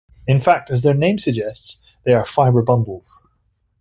In fact, as their name suggests, they are fiber bundles.